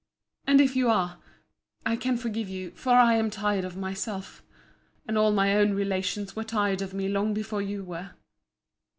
—And if you are, I can forgive you; for I am tired of myself: and all my own relations were tired of me long before you were.